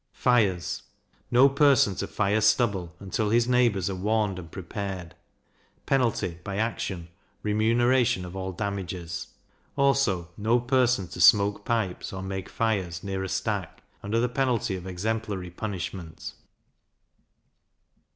Fires No person to fire stubble, until his neighbours are warned and prepared; penalty, by action, remuneration of all damages: also, no person to smoke pipes, or make fires, near a stack, under the penalty of exemplary punishment.